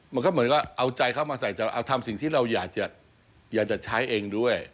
มันก็เหมือนก็เอาใจเข้ามาใส่แต่เอาทำสิ่งที่เราอยากจะใช้เองด้วย